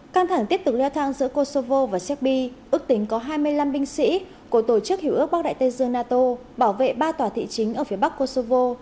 căng thẳng tiếp tục leo thang giữa kosovo và serbi ước tính có hai mươi năm binh sĩ của tổ chức hiểu ước bắc đại tây dương nato bảo vệ ba tòa thị chính ở phía bắc kosovo